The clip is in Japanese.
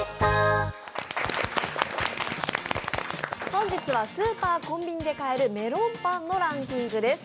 本日はスーパー、コンビニで買えるメロンパンのランキングです。